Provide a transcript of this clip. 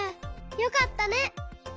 よかったね。